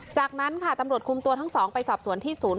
จากนั้นค่ะตำรวจคุมตัวทั้งสองไปสอบสวนที่ศูนย์